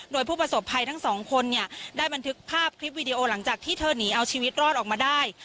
โดยผู้ประสบภัยทั้งสองคนเนี่ยได้บันทึกภาพคลิปวิดีโอหลังจากที่เธอหนีเอาชีวิตรอดออกมาได้